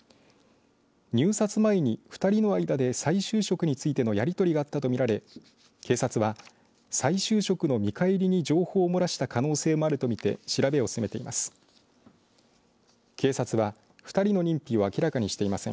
入札前に２人の間で再就職についてのやりとりがあったとみられ警察は再就職の見返りに情報を漏らした可能性もあるとみて調べを進めています。